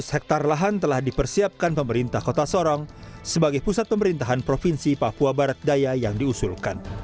tiga ratus hektare lahan telah dipersiapkan pemerintah kota sorong sebagai pusat pemerintahan provinsi papua barat daya yang diusulkan